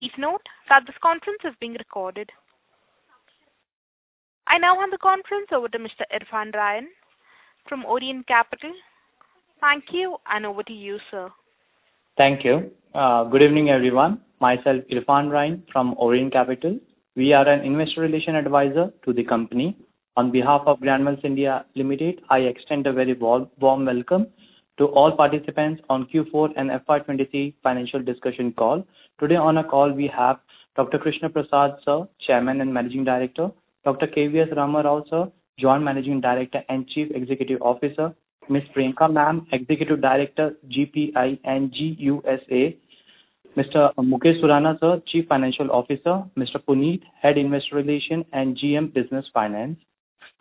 Please note that this conference is being recorded. I now hand the conference over to Mr. Irfan Raeen from Orient Capital. Thank you, and over to you, sir. Thank you. Good evening, everyone. Myself Irfan Raeen from Orient Capital. We are an investor relation advisor to the company. On behalf of Granules India Limited, I extend a very warm welcome to all participants on Q4 and FY 23 financial discussion call. Today on our call we have Dr. Krishna Prasad, Chairman and Managing Director, Dr. K.V.S. Rama Rao, Joint Managing Director and Chief Executive Officer, Ms. Priyanka, Executive Director, GPING USA, Mr. Mukesh Surana, Chief Financial Officer, Mr. Puneet, Head Investor Relations and GM Business Finance.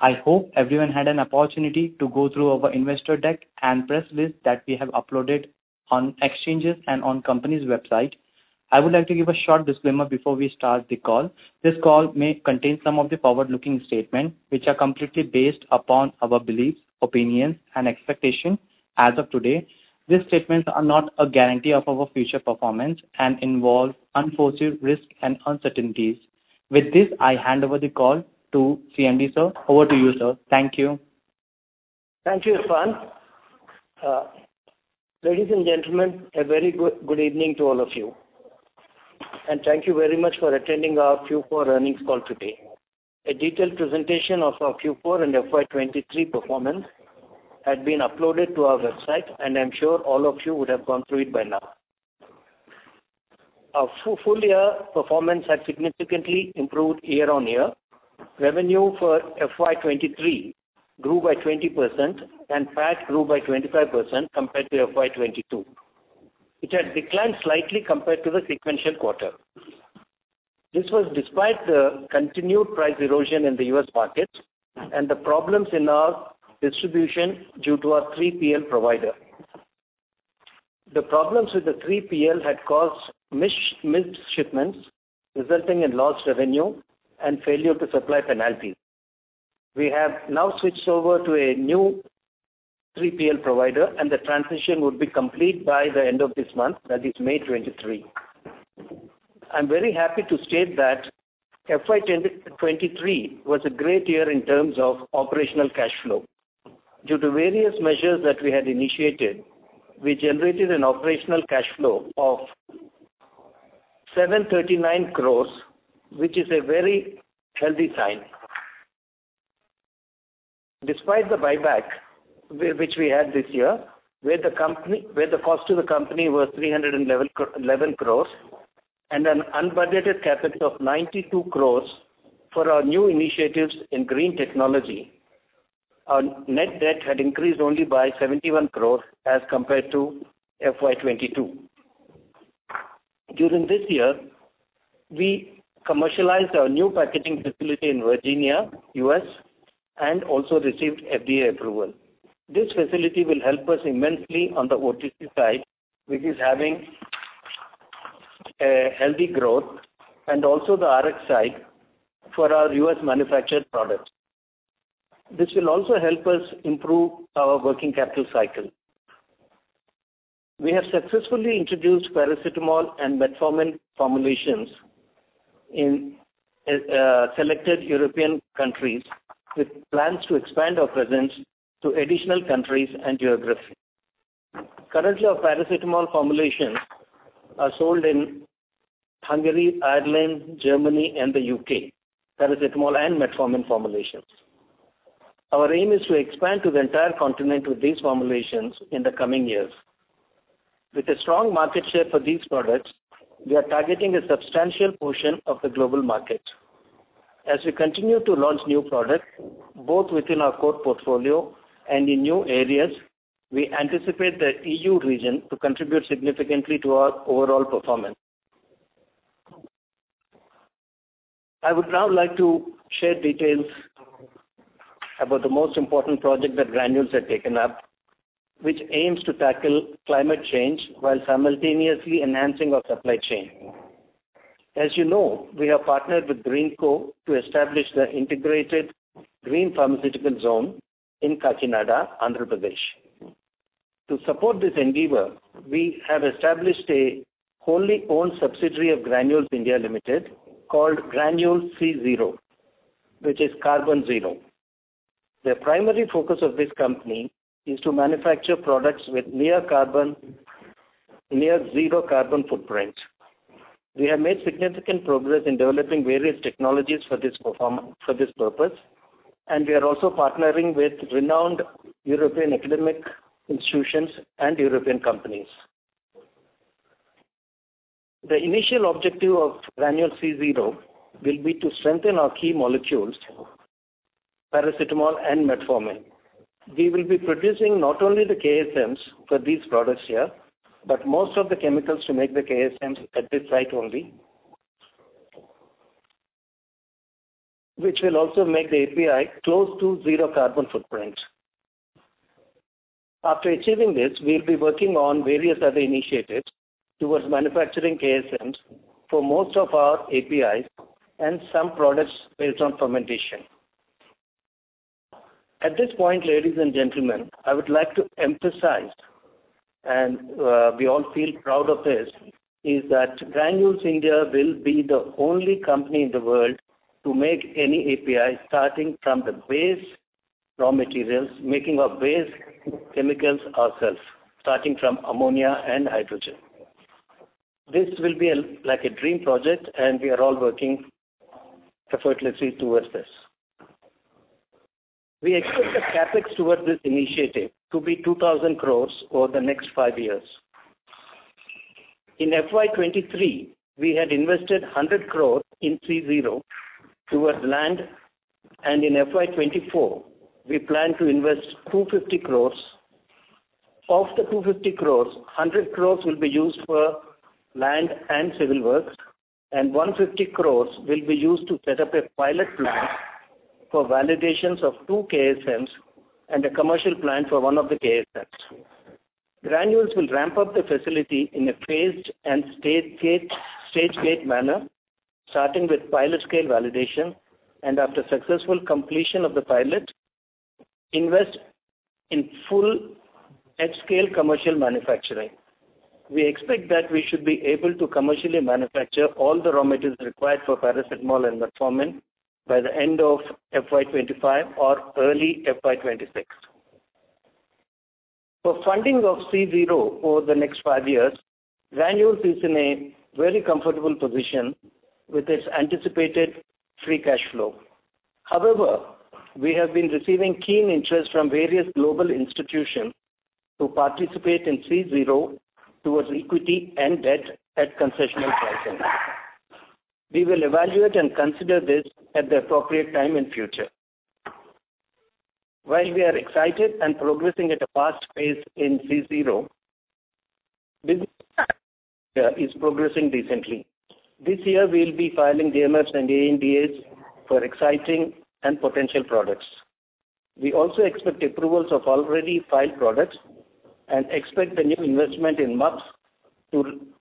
I hope everyone had an opportunity to go through our investor deck and press list that we have uploaded on exchanges and on company's website. I would like to give a short disclaimer before we start the call. This call may contain some of the forward-looking statement which are completely based upon our beliefs, opinions and expectation as of today. These statements are not a guarantee of our future performance and involve unforeseen risks and uncertainties. With this, I hand over the call to CMD, sir. Over to you, sir. Thank you. Thank you, Irfan. Ladies and gentlemen, a very good evening to all of you. Thank you very much for attending our Q4 earnings call today. A detailed presentation of our Q4 and FY 2023 performance had been uploaded to our website. I'm sure all of you would have gone through it by now. Our full year performance has significantly improved year-on-year. Revenue for FY 2023 grew by 20%. PAT grew by 25% compared to FY 2022, which had declined slightly compared to the sequential quarter. This was despite the continued price erosion in the U.S. markets and the problems in our distribution due to our 3PL provider. The problems with the 3PL had caused missed shipments, resulting in lost revenue and failure to supply penalty. We have now switched over to a new 3PL provider and the transition would be complete by the end of this month, that is May 2023. I'm very happy to state that FY 2023 was a great year in terms of operational cash flow. Due to various measures that we had initiated, we generated an operational cash flow of 739 crores, which is a very healthy sign. Despite the buyback which we had this year, where the cost to the company was 311 crores and an unbudgeted capital of 92 crores for our new initiatives in green technology, our net debt had increased only by 71 crores as compared to FY 2022. During this year, we commercialized our new packaging facility in Virginia, US, and also received FDA approval. This facility will help us immensely on the OTC side, which is having a healthy growth and also the RX side for our US manufactured products. This will also help us improve our working capital cycle. We have successfully introduced paracetamol and metformin formulations in selected European countries with plans to expand our presence to additional countries and geographies. Currently, our paracetamol formulations are sold in Hungary, Ireland, Germany and the UK, paracetamol and metformin formulations. Our aim is to expand to the entire continent with these formulations in the coming years. With a strong market share for these products, we are targeting a substantial portion of the global market. As we continue to launch new products both within our core portfolio and in new areas, we anticipate the EU region to contribute significantly to our overall performance. I would now like to share details about the most important project that Granules has taken up, which aims to tackle climate change while simultaneously enhancing our supply chain. As you know, we have partnered with Greenko to establish the integrated green pharmaceutical zone in Kakinada, Andhra Pradesh. To support this endeavor, we have established a wholly owned subsidiary of Granules India Limited called Greenko ZeroC, which is carbon zero. The primary focus of this company is to manufacture products with near zero carbon footprint. We have made significant progress in developing various technologies for this purpose, and we are also partnering with renowned European academic institutions and European companies. The initial objective of Greenko ZeroC will be to strengthen our key molecules, paracetamol and metformin. We will be producing not only the KSMs for these products here, but most of the chemicals to make the KSMs at this site only. Which will also make the API close to zero carbon footprint. After achieving this, we'll be working on various other initiatives towards manufacturing KSMs for most of our APIs and some products based on fermentation. At this point, ladies and gentlemen, I would like to emphasize, and we all feel proud of this, is that Granules India will be the only company in the world to make any API, starting from the base raw materials, making our base chemicals ourselves, starting from ammonia and hydrogen. This will be a, like a dream project, and we are all working effortlessly towards this. We expect the CapEx towards this initiative to be 2,000 crore over the next five years. In FY 2023, we had invested 100 crores in C-Zero towards land. In FY 2024, we plan to invest 250 crores. Of the 250 crores, 100 crores will be used for land and civil works. 150 crores will be used to set up a pilot plant for validations of 2 KSMs and a commercial plant for one of the KSMs. Granules will ramp up the facility in a phased and stage gate manner, starting with pilot scale validation. After successful completion of the pilot, invest in full at scale commercial manufacturing. We expect that we should be able to commercially manufacture all the raw materials required for paracetamol and metformin by the end of FY 2025 or early FY 2026. For funding of C-Zero over the next five years, Granules is in a very comfortable position with its anticipated free cash flow. We have been receiving keen interest from various global institutions to participate in C-zero towards equity and debt at concessional pricing. We will evaluate and consider this at the appropriate time in future. While we are excited and progressing at a fast pace in C-zero, business is progressing decently. This year we'll be filing DMFs and ANDAs for exciting and potential products. We also expect approvals of already filed products and expect the new investment in MUPS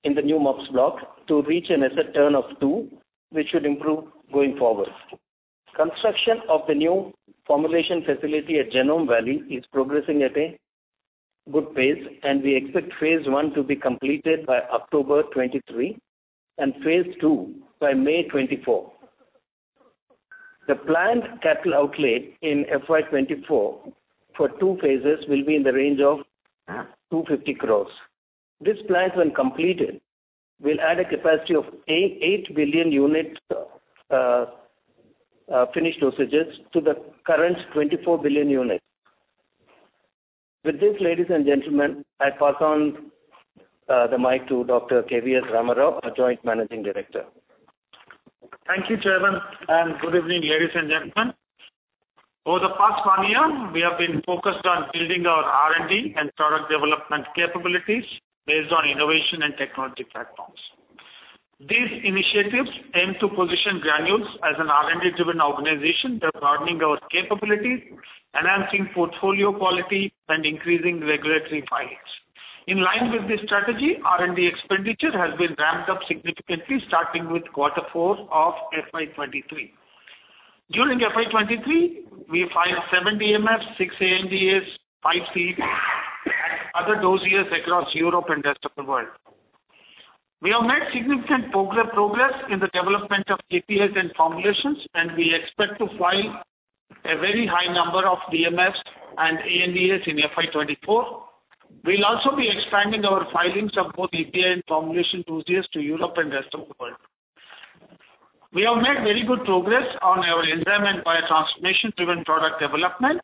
in the new MUPS block to reach an asset turn of 2, which should improve going forward. Construction of the new formulation facility at Genome Valley is progressing at a good pace, and we expect phase 1 to be completed by October 2023 and phase 2 by May 2024. The planned capital outlay in FY 2024 for 2 phases will be in the range of 250 crores. This plant, when completed, will add a capacity of 8 billion unit finished dosages to the current 24 billion units. With this, ladies and gentlemen, I pass on the mic to Dr. K.V.S. Rama Rao, our Joint Managing Director. Thank you, Chairman. Good evening, ladies and gentlemen. Over the past one year, we have been focused on building our R&D and product development capabilities based on innovation and technology platforms. These initiatives aim to position Granules as an R&D-driven organization, thus broadening our capabilities, enhancing portfolio quality and increasing regulatory filings. In line with this strategy, R&D expenditure has been ramped up significantly starting with quarter four of FY 2023. During FY 2023, we filed 7 DMFs, 6 ANDAs, 5 CFDs and other Dossiers across Europe and rest of the world. We have made significant progress in the development of APIs and formulations, and we expect to file a very high number of DMFs and ANDAs in FY 2024. We'll also be expanding our filings of both API and formulation Dossiers to Europe and rest of the world. We have made very good progress on our enzyme and biotransformation-driven product development.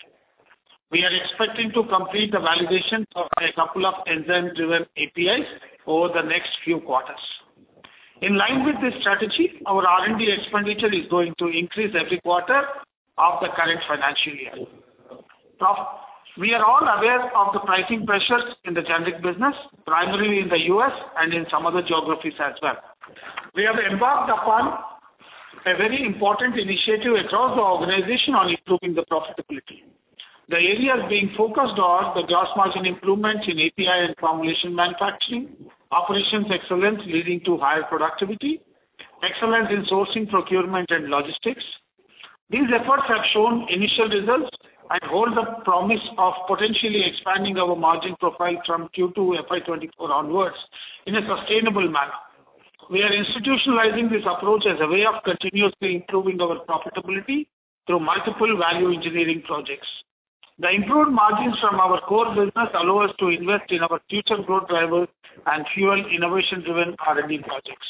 We are expecting to complete the validation of a couple of enzyme-driven APIs over the next few quarters. In line with this strategy, our R&D expenditure is going to increase every quarter of the current financial year. We are all aware of the pricing pressures in the generic business, primarily in the US and in some other geographies as well. We have embarked upon a very important initiative across the organization on improving the profitability. The areas being focused on the gross margin improvements in API and formulation manufacturing, operations excellence leading to higher productivity, excellence in sourcing, procurement and logistics. These efforts have shown initial results and hold the promise of potentially expanding our margin profile from Q2 FY 2024 onwards in a sustainable manner. We are institutionalizing this approach as a way of continuously improving our profitability through multiple value engineering projects. The improved margins from our core business allow us to invest in our future growth drivers and fuel innovation-driven R&D projects.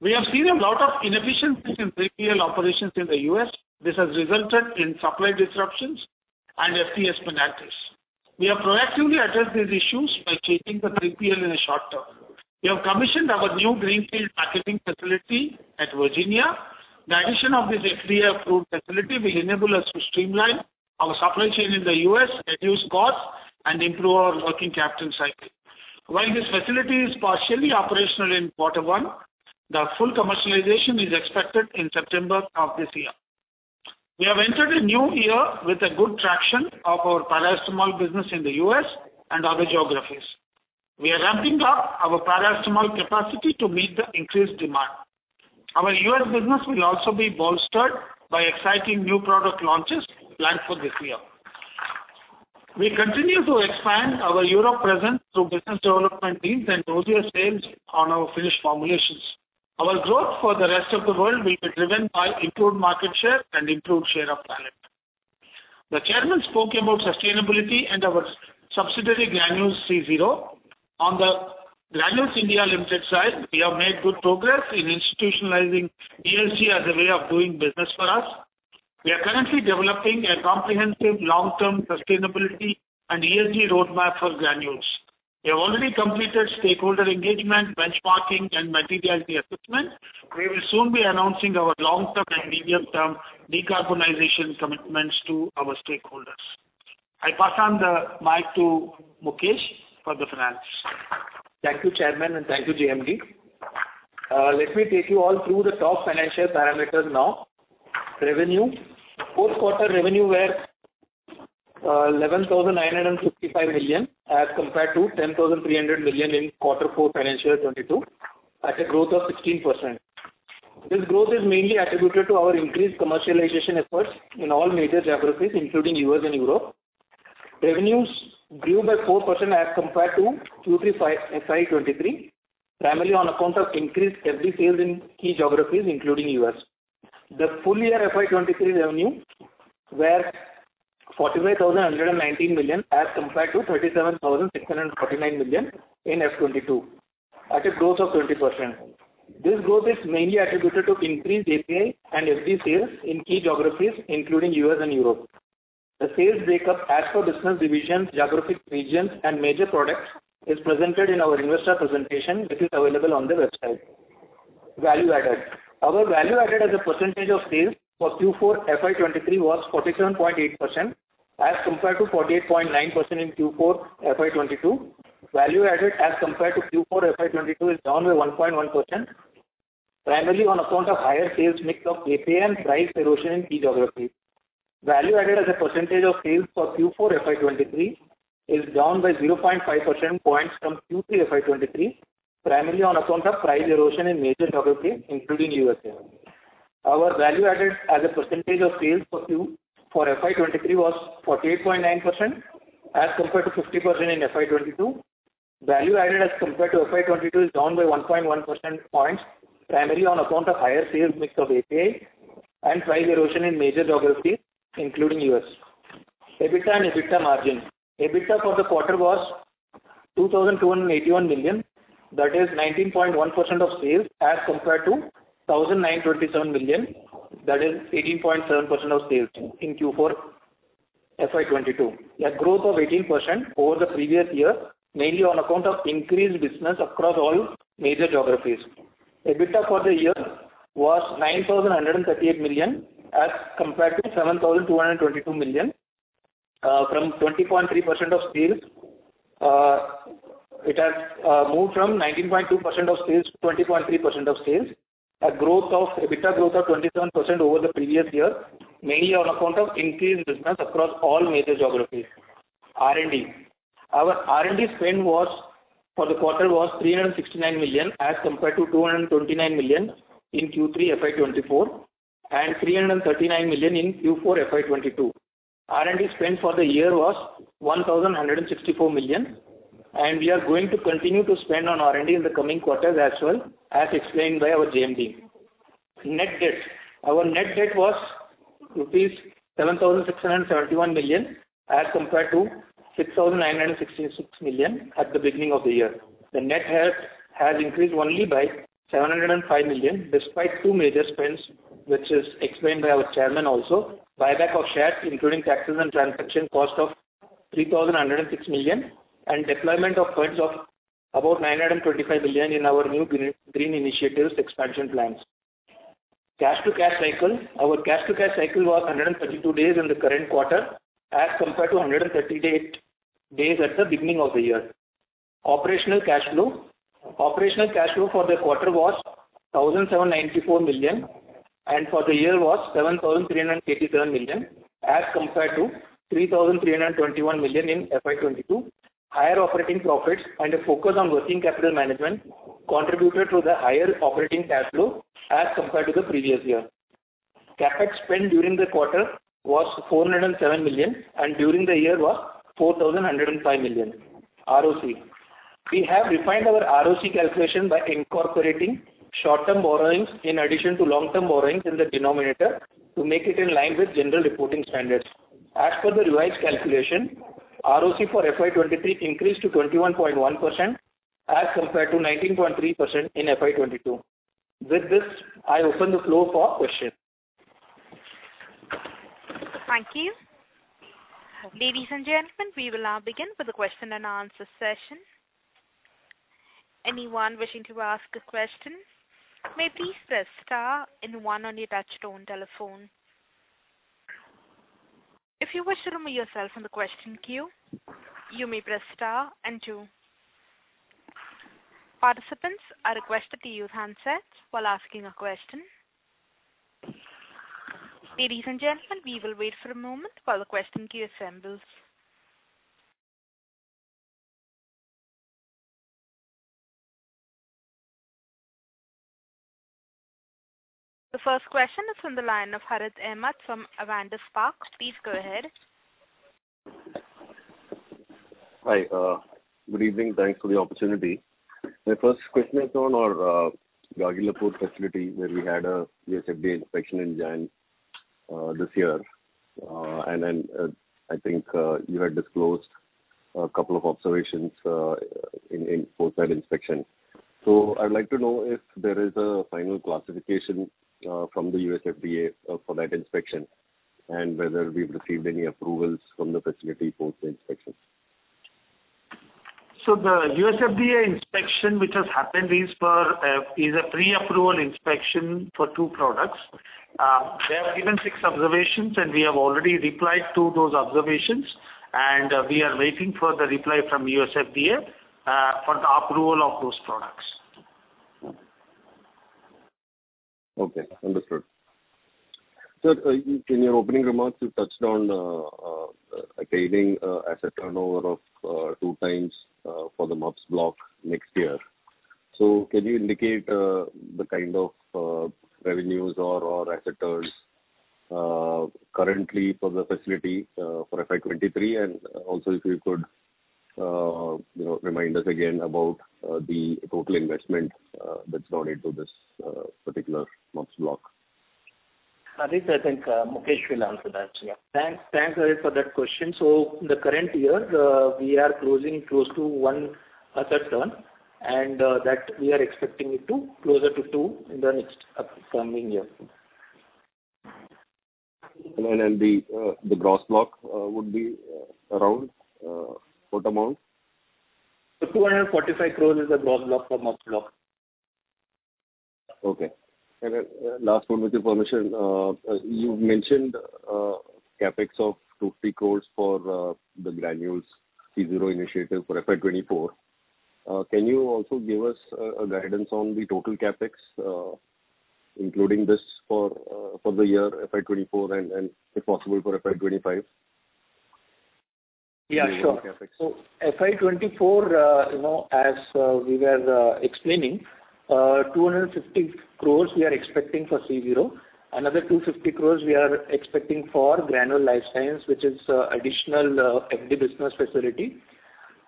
We have seen a lot of inefficiencies in 3PL operations in the US. This has resulted in supply disruptions and FDA penalties. We have proactively addressed these issues by changing the 3PL in the short term. We have commissioned our new greenfield packaging facility at Virginia. The addition of this FDA-approved facility will enable us to streamline our supply chain in the US, reduce costs, and improve our working capital cycle. While this facility is partially operational in quarter one, the full commercialization is expected in September of this year. We have entered a new year with a good traction of our paracetamol business in the US and other geographies. We are ramping up our paracetamol capacity to meet the increased demand. Our U.S. business will also be bolstered by exciting new product launches planned for this year. We continue to expand our Europe presence through business development teams and dossier sales on our finished formulations. Our growth for the rest of the world will be driven by improved market share and improved share of pallet. The chairman spoke about sustainability and our subsidiary, Greenko ZeroC. On the Granules India Limited side, we have made good progress in institutionalizing ESG as a way of doing business for us. We are currently developing a comprehensive long-term sustainability and ESG roadmap for Granules. We have already completed stakeholder engagement, benchmarking, and materiality assessment. We will soon be announcing our long-term and medium-term decarbonization commitments to our stakeholders. I pass on the mic to Mukesh for the finance. Thank you, Chairman, and thank you, JMD. Let me take you all through the top financial parameters now. Revenue. Fourth quarter revenue were 11,955 million as compared to 10,300 million in Q4 FY22, at a growth of 16%. This growth is mainly attributed to our increased commercialization efforts in all major geographies, including US and Europe. Revenues grew by 4% as compared to Q3 FY23, primarily on account of increased FD sales in key geographies, including US. The full year FY23 revenue were 45,119 million as compared to 37,649 million in FY22, at a growth of 20%. This growth is mainly attributed to increased API and FD sales in key geographies, including US and Europe. The sales breakup as per business divisions, geographic regions and major products is presented in our investor presentation, which is available on the website. Value added. Our value added as a percentage of sales for Q4 FY23 was 47.8% as compared to 48.9% in Q4 FY22. Value added as compared to Q4 FY22 is down by 1.1%, primarily on account of higher sales mix of API and price erosion in key geographies. Value added as a percentage of sales for Q4 FY23 is down by 0.5 percentage points from Q3 FY23, primarily on account of price erosion in major geographies, including US. Our value added as a percentage of sales for FY23 was 48.9% as compared to 50% in FY22. Value added as compared to FY 2022 is down by 1.1 percentage points, primarily on account of higher sales mix of API and price erosion in major geographies, including U.S. EBITDA and EBITDA margin. EBITDA for the quarter was 2,281 million, that is 19.1% of sales, as compared to 1,927 million, that is 18.7% of sales in Q4 FY 2022. A growth of 18% over the previous year, mainly on account of increased business across all major geographies. EBITDA for the year was 9,138 million as compared to 7,222 million. From 20.3% of sales, it has moved from 19.2% of sales to 20.3% of sales. EBITDA growth of 27% over the previous year, mainly on account of increased business across all major geographies. R&D. Our R&D spend was, for the quarter, 369 million as compared to 229 million in Q3 FY 2024 and 339 million in Q4 FY 2022. R&D spend for the year was 1,164 million. We are going to continue to spend on R&D in the coming quarters as well, as explained by our JMD. Net debt. Our net debt was rupees 7,671 million as compared to 6,966 million at the beginning of the year. The net debt has increased only by 705 million, despite two major spends, which is explained by our Chairman also. Buyback of shares, including taxes and transaction cost of 3,106 million, and deployment of funds of about 925 billion in our new green initiatives expansion plans. Cash to cash cycle. Our cash to cash cycle was 132 days in the current quarter as compared to 138 days at the beginning of the year. Operational cash flow. Operational cash flow for the quarter was 1,794 million and for the year was 7,387 million as compared to 3,321 million in FY 2022. Higher operating profits and a focus on working capital management contributed to the higher operating cash flow as compared to the previous year. CapEx spend during the quarter was 407 million and during the year was 4,105 million. ROC. We have refined our ROC calculation by incorporating short-term borrowings in addition to long-term borrowings in the denominator to make it in line with general reporting standards. As per the revised calculation, ROC for FY 2023 increased to 21.1% as compared to 19.3% in FY 2022. With this, I open the floor for questions. Thank you. Ladies and gentlemen, we will now begin with the question and answer session. Anyone wishing to ask a question may please press star and one on your touchtone telephone. If you wish to remove yourself from the question queue, you may press star and two. Participants are requested to use handsets while asking a question. Ladies and gentlemen, we will wait for a moment while the question queue assembles. The first question is from the line of Harith Ahmed from Avendus Spark. Please go ahead. Hi, good evening. Thanks for the opportunity. My first question is on our Gagillapur facility, where we had a USFDA inspection in January this year. I think you had disclosed a couple of observations in post that inspection. I'd like to know if there is a final classification from the USFDA for that inspection and whether we've received any approvals from the facility post the inspection. The USFDA inspection which has happened is for, is a pre-approval inspection for two products. They have given six observations, and we have already replied to those observations, and we are waiting for the reply from USFDA, for the approval of those products. Understood. You, in your opening remarks, you touched on achieving asset turnover of 2 times for the MUPS block next year. Can you indicate the kind of revenues or asset turns currently for the facility for FY 23? Also if you could, you know, remind us again about the total investment that's gone into this particular MUPS block. Harith, I think, Mukesh will answer that. Yeah. Thanks. Thanks, Harith, for that question. In the current year, we are closing close to one asset turn, and that we are expecting it to closer to two in the next coming year. The gross block, would be around, what amount? 245 crore is the gross block for MUPS block. Okay. Last one with your permission. You mentioned, CapEx of 2-3 crores for the Granules ZeroC initiative for FY 2024. Can you also give us a guidance on the total CapEx, including this for the year FY 2024 and, if possible, for FY 2025? Yeah, sure. Total CapEx. FY 2024, you know, as we were explaining, 250 crores we are expecting for Greenko ZeroC. Another 250 crores we are expecting for Granules Life Sciences, which is additional FD business facility.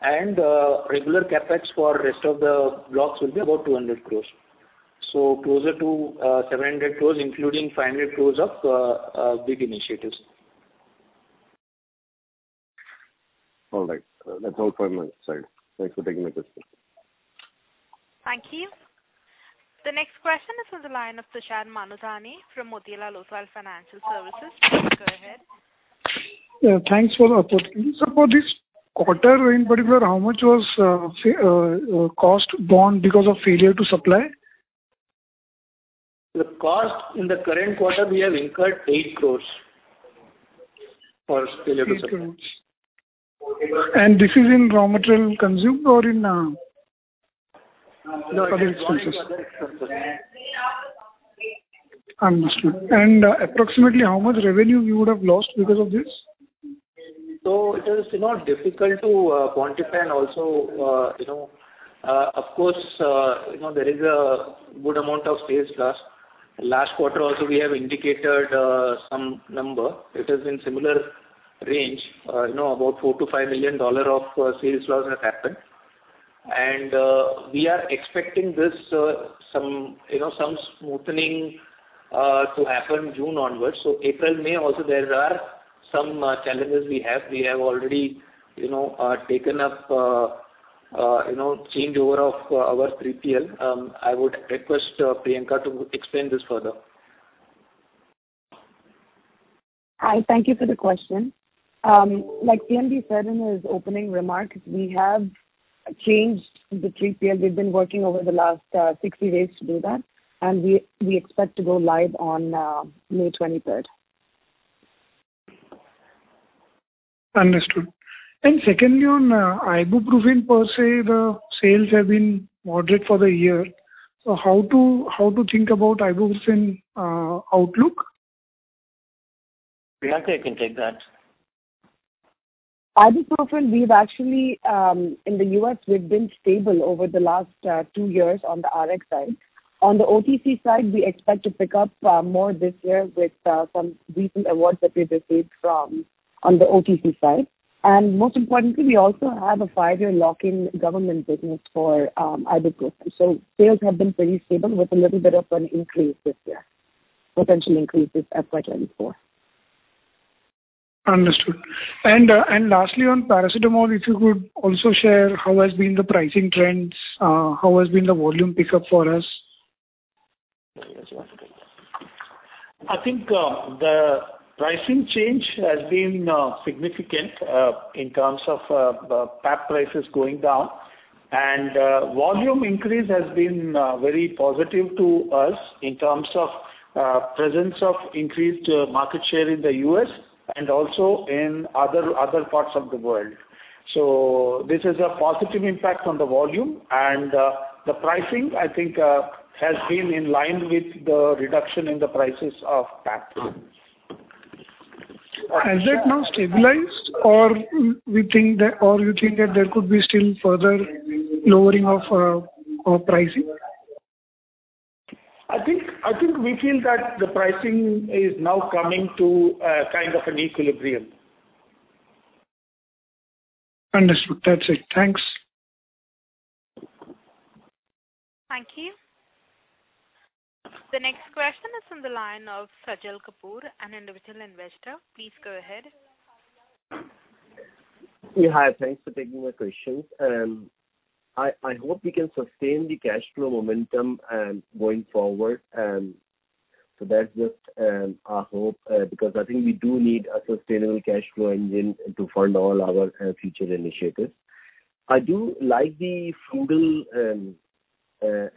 Regular CapEx for rest of the blocks will be about 200 crores. Closer to 700 crores, including 500 crores of big initiatives. All right. That's all from my side. Thanks for taking my questions. Thank you. The next question is from the line of Tushar Manudhane from Motilal Oswal Financial Services. Please go ahead. Yeah, thanks for the opportunity. For this quarter in particular, how much was cost borne because of failure to supply? The cost in the current quarter, we have incurred 8 crores for failure to supply. Okay. And this is in raw material consumed or in other expenses? No, it's other expenses. Understood. Approximately how much revenue you would have lost because of this? It is, you know, difficult to quantify and also, you know. Of course, you know, there is a good amount of sales loss. Last quarter also we have indicated some number. It is in similar range, you know, about $4 million-$5 million of sales loss has happened. We are expecting this some, you know, some smoothening to happen June onwards. April, May also there are some challenges we have. We have already, you know, taken up changeover of our 3PL. I would request Priyanka to explain this further. Hi. Thank you for the question. like CMD said in his opening remarks, we have changed the 3PL. We've been working over the last 60 days to do that, and we expect to go live on May 23rd. Understood. secondly, on ibuprofen per se, the sales have been moderate for the year. how to think about ibuprofen outlook? Priyanka can take that. Ibuprofen, we've actually, in the U.S. we've been stable over the last 2 years on the RX side. On the OTC side, we expect to pick up more this year with some recent awards that we've received from, on the OTC side. Most importantly, we also have a 5-year lock-in government business for ibuprofen. Sales have been pretty stable with a little bit of an increase this year, potential increase this FY 24. Understood. Lastly on paracetamol, if you could also share how has been the pricing trends, how has been the volume pickup for us? I think the pricing change has been significant in terms of PAP prices going down. Volume increase has been very positive to us in terms of presence of increased market share in the U.S. and also in other parts of the world. This is a positive impact on the volume. The pricing, I think, has been in line with the reduction in the prices of PAP. Has that now stabilized or you think that there could be still further lowering of our pricing? I think we feel that the pricing is now coming to a kind of an equilibrium. Understood. That's it. Thanks. Thank you. The next question is from the line of Sajal Kapoor, an individual investor. Please go ahead. Yeah, hi. Thanks for taking my questions. I hope we can sustain the cash flow momentum going forward. That's just our hope, because I think we do need a sustainable cash flow engine to fund all our future initiatives. I do like the frugal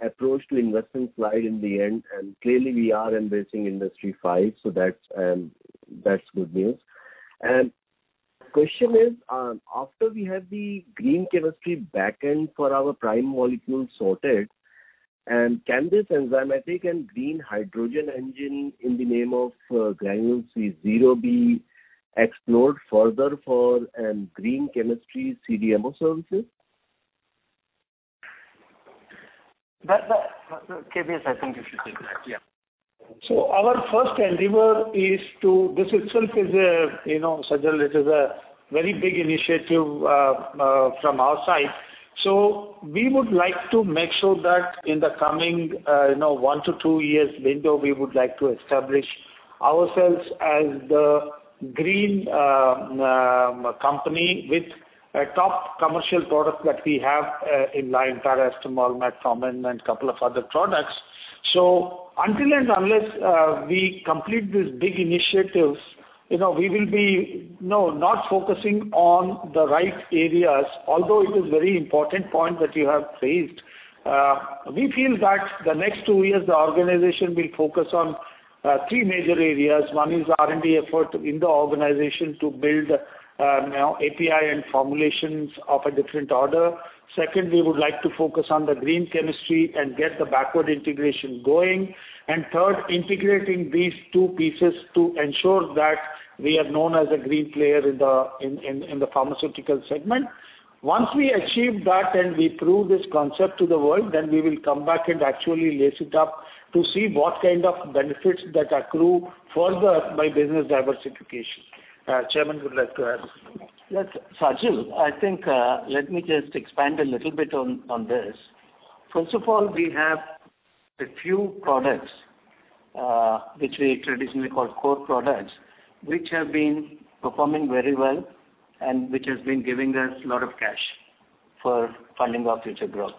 approach to investment slide in the end, clearly we are embracing Industry 5.0, that's good news. Question is, after we have the green chemistry back-end for our prime molecule sorted, can this enzymatic and green hydrogen engine in the name of Greenko ZeroC be explored further for green chemistry CDMO services? That KVS, I think you should take that. Yeah. This itself is a, Sajal, this is a very big initiative from our side. We would like to make sure that in the coming one to two years window, we would like to establish ourselves as the green company with a top commercial product that we have in line, paracetamol, metformin, and couple of other products. Until and unless we complete these big initiatives, we will be not focusing on the right areas, although it is very important point that you have raised. We feel that the next two years the organization will focus on three major areas. One is R&D effort in the organization to build API and formulations of a different order. Second, we would like to focus on the green chemistry and get the backward integration going. Third, integrating these two pieces to ensure that we are known as a green player in the pharmaceutical segment. Once we achieve that and we prove this concept to the world, then we will come back and actually lace it up to see what kind of benefits that accrue further by business diversification. Chairman would like to add something. Yes. Sajal, I think, let me just expand a little bit on this. First of all, we have a few products, which we traditionally call core products, which have been performing very well and which has been giving us a lot of cash for funding our future growth.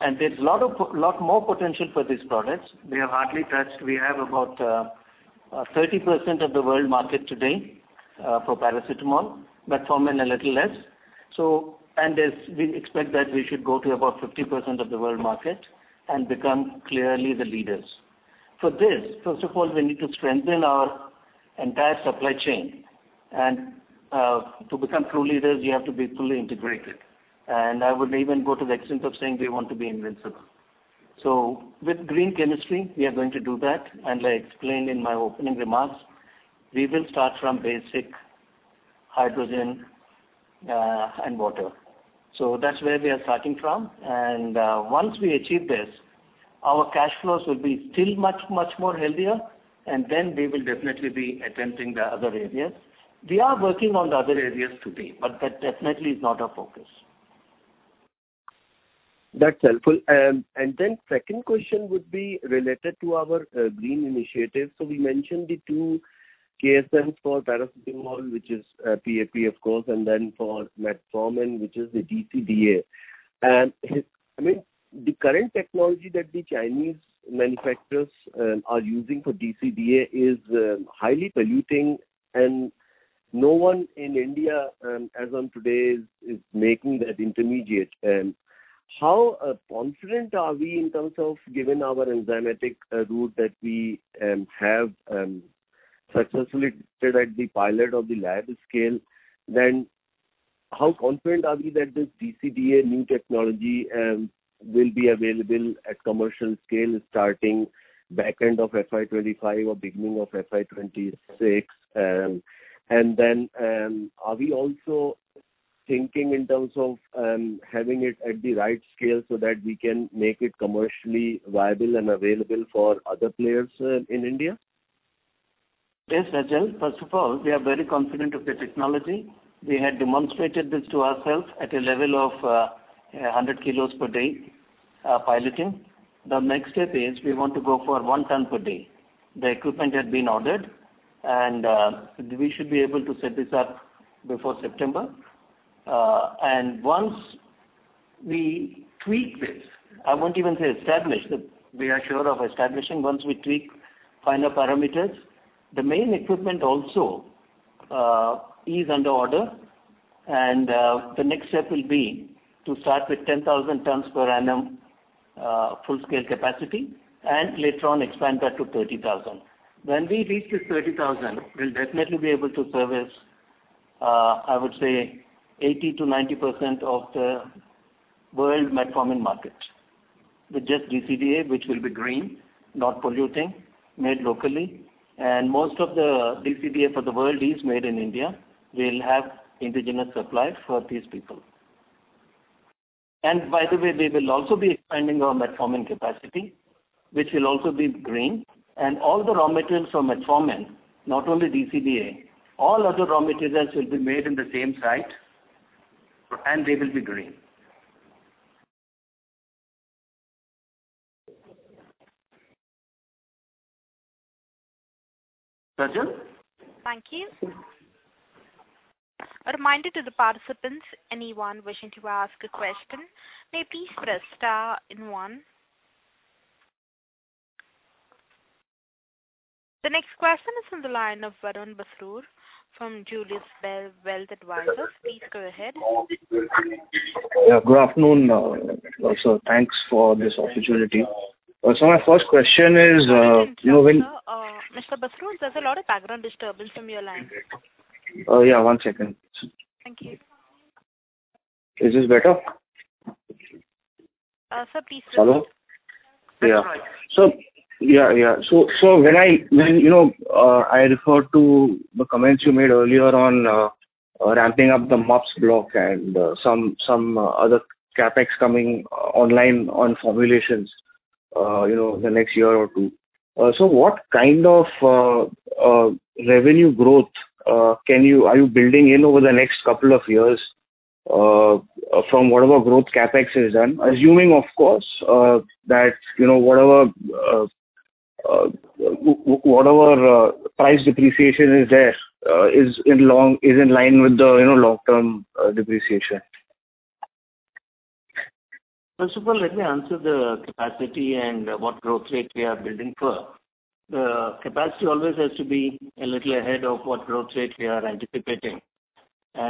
There's a lot more potential for these products. We have hardly touched. We have about 30% of the world market today for paracetamol, metformin a little less. As we expect that we should go to about 50% of the world market and become clearly the leaders. For this, first of all, we need to strengthen our entire supply chain. To become true leaders, we have to be fully integrated. I would even go to the extent of saying we want to be invincible. With green chemistry, we are going to do that. I explained in my opening remarks, we will start from basic hydrogen and water. That's where we are starting from. Once we achieve this, our cash flows will be still much, much more healthier, and then we will definitely be attempting the other areas. We are working on the other areas today, but that definitely is not our focus. That's helpful. Second question would be related to our green initiatives. We mentioned the two KSMs for paracetamol, which is PAP of course, and then for Metformin, which is the DCDA. I mean, the current technology that the Chinese manufacturers are using for DCDA is highly polluting and no one in India as on today is making that intermediate. How confident are we in terms of given our enzymatic route that we have successfully tested at the pilot or the lab scale, then how confident are we that this DCDA new technology will be available at commercial scale starting back end of FY 2025 or beginning of FY 2026? Are we also thinking in terms of having it at the right scale so that we can make it commercially viable and available for other players in India? Yes, Sajal. First of all, we are very confident of the technology. We had demonstrated this to ourselves at a level of 100 kilos per day, piloting. The next step is we want to go for 1 ton per day. The equipment had been ordered, and we should be able to set this up before September. Once we tweak this, I won't even say establish it, we are sure of establishing once we tweak final parameters. The main equipment also is under order, and the next step will be to start with 10,000 tons per annum, full-scale capacity, and later on expand that to 30,000. When we reach this 30,000, we'll definitely be able to service, I would say 80%-90% of the world metformin market. With just DCDA, which will be green, not polluting, made locally. Most of the DCDA for the world is made in India. We'll have indigenous supply for these people. By the way, we will also be expanding our metformin capacity, which will also be green. All the raw materials for metformin, not only DCDA, all other raw materials will be made in the same site, and they will be green. Sajal? Thank you. A reminder to the participants, anyone wishing to ask a question, may please press star 1. The next question is from the line of Varun Basrur from Julius Baer Wealth Advisors. Please go ahead. Yeah, good afternoon, also thanks for this opportunity. My first question is, you know One second, sir. Mr. Basrur, there's a lot of background disturbance from your line. Oh, yeah, one second. Thank you. Is this better? Sir, please go ahead. e comments you made earlier on ramping up the MUPS block and some other CapEx coming online on formulations the next year or two, what kind of revenue growth are you building in over the next couple of years from whatever growth CapEx is done? Assuming, of course, that whatever price depreciation is there is in line with the long-term depreciation First of all, let me answer the capacity and what growth rate we are building for. The capacity always has to be a little ahead of what growth rate we are anticipating. We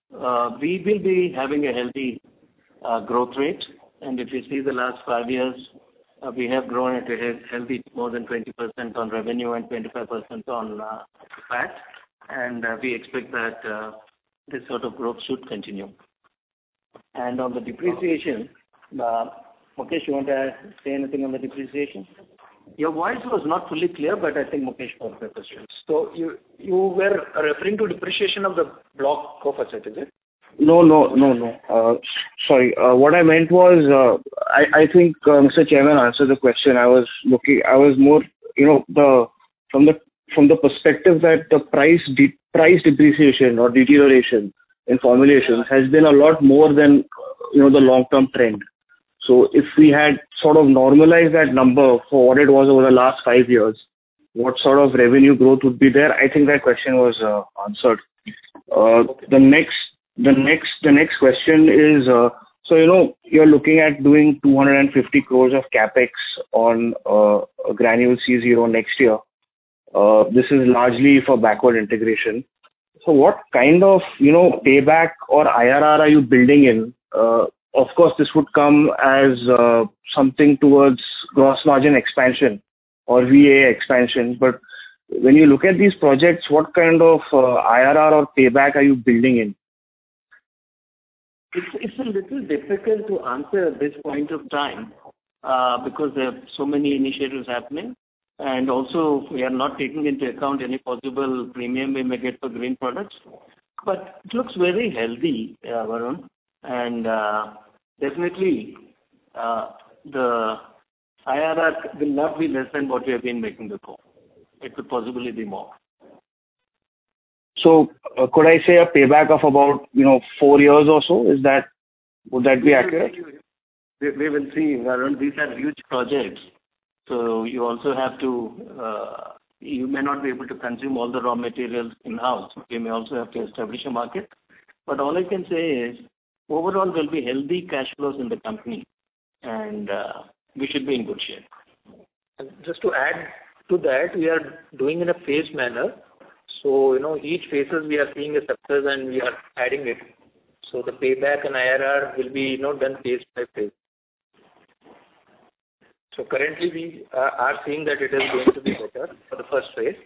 will be having a healthy growth rate. If you see the last 5 years, we have grown at a healthy more than 20% on revenue and 25% on PAT. We expect that this sort of growth should continue. On the depreciation, Mukesh, you want to say anything on the depreciation? Your voice was not fully clear, but I think Mukesh got the question. You were referring to depreciation of the block profit, is it? No, no. Sorry. What I meant was, I think Mr. Chairman answered the question. I was more, you know, from the perspective that the price depreciation or deterioration in formulation has been a lot more than, you know, the long-term trend. If we had sort of normalized that number for what it was over the last 5 years, what sort of revenue growth would be there? I think that question was answered. The next question is, you know, you're looking at doing 250 crores of CapEx on Granule C zero next year. This is largely for backward integration. What kind of, you know, payback or IRR are you building in? Of course, this would come as something towards gross margin expansion or VA expansion. When you look at these projects, what kind of IRR or payback are you building in? It's a little difficult to answer at this point of time, because there are so many initiatives happening, and also we are not taking into account any possible premium we may get for green products. It looks very healthy, Varun, and definitely, the IRR will not be less than what we have been making before. It could possibly be more. Could I say a payback of about, you know, four years or so? Would that be accurate? We will see. We will see, Varun. These are huge projects. You may not be able to consume all the raw materials in-house. We may also have to establish a market. All I can say is, overall there'll be healthy cash flows in the company and we should be in good shape. Just to add to that, we are doing in a phased manner. You know, each phases we are seeing a success and we are adding it. The payback and IRR will be, you know, done phase by phase. Currently we are seeing that it is going to be better for the first phase,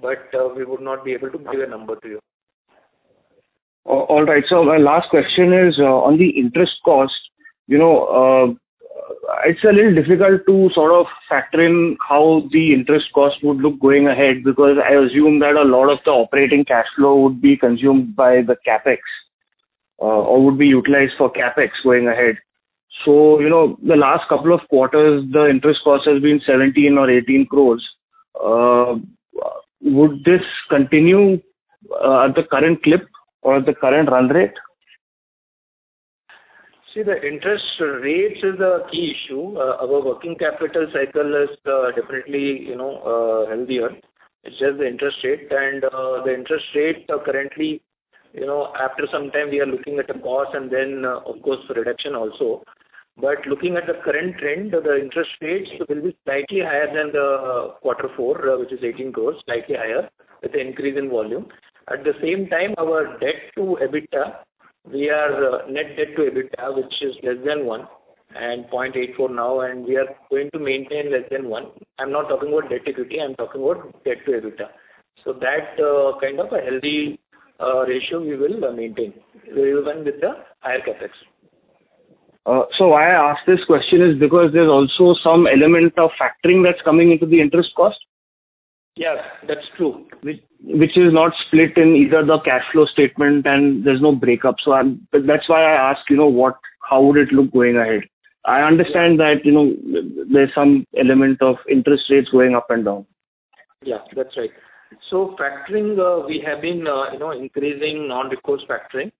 but we would not be able to give a number to you. All right. My last question is, on the interest cost. You know, it's a little difficult to sort of factor in how the interest cost would look going ahead, because I assume that a lot of the operating cash flow would be consumed by the CapEx, or would be utilized for CapEx going ahead. You know, the last couple of quarters, the interest cost has been 17-18 crores. Would this continue at the current clip or the current run rate? The interest rates is a key issue. Our working capital cycle is definitely, you know, healthier. It's just the interest rate. The interest rates are currently, you know, after some time, we are looking at a pause and then, of course, reduction also. Looking at the current trend, the interest rates will be slightly higher than the quarter four, which is 18 crores, slightly higher with the increase in volume. At the same time, our debt to EBITDA, we are net debt to EBITDA, which is less than 1 and 0.84 now, and we are going to maintain less than 1. I'm not talking about debt equity, I'm talking about debt to EBITDA. That kind of a healthy. Ratio we will maintain even with the higher CapEx. Why I ask this question is because there's also some element of factoring that's coming into the interest cost. Yes, that's true. Which is not split in either the cash flow statement and there's no breakup. That's why I ask, you know, how would it look going ahead? I understand that, you know, there's some element of interest rates going up and down. Yeah, that's right. Factoring, we have been, you know, increasing non-recourse factoring,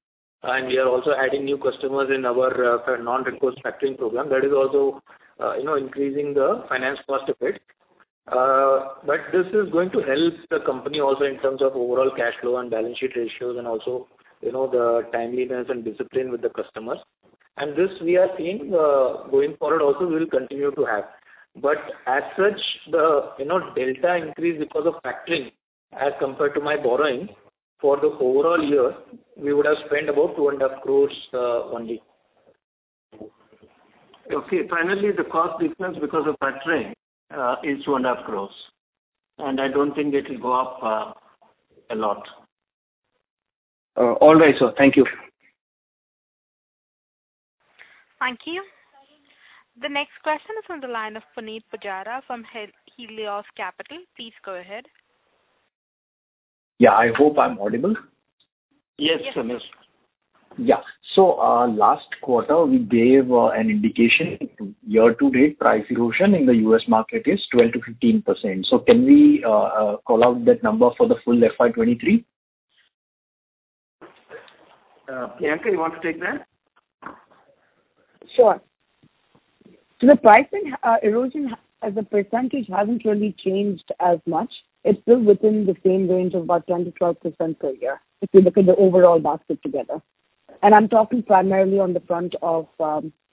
and we are also adding new customers in our non-recourse factoring program. That is also, you know, increasing the finance cost a bit. This is going to help the company also in terms of overall cash flow and balance sheet ratios and also, you know, the timeliness and discipline with the customers. This we are seeing, going forward also we'll continue to have. As such, the, you know, delta increase because of factoring as compared to my borrowing for the overall year, we would have spent about 2.5 crores only. Okay. Finally, the cost difference because of factoring, is two and half crores, and I don't think it will go up, a lot. All right, sir. Thank you. Thank you. The next question is on the line of Puneet Pujara from Helios Capital. Please go ahead. Yeah. I hope I'm audible. Yes, sir. Yes. Last quarter, we gave an indication year-to-date price erosion in the U.S. market is 12%-15%. Can we call out that number for the full FY23? Priyanka, you want to take that? Sure. The pricing, erosion as a percentage hasn't really changed as much. It's still within the same range of about 10%-12% per year, if you look at the overall basket together. I'm talking primarily on the front of,